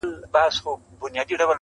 زه درته څه ووايم.